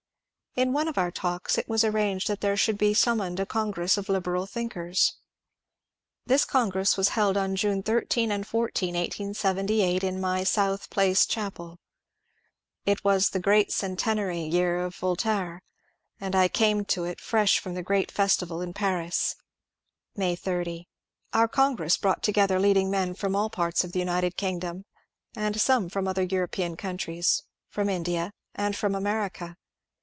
In one of our talks it was arranged that there should be summoned a Congress of Lib eral Thinkers. This congress was held on June 13 and 14, 1878, in my South Place chapel. It was the centenary year of Voltaire, and I came to it fresh from the great festival in Paris (May 388 MONCURE DANIEL CX)NWAY 30). Our congress brought together leading men from all parts of the United Kingdom, and some from other European countries, from India, and from America.